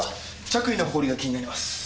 着衣のほこりが気になります。